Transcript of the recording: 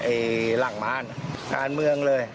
หลังม่านการเมืองเลย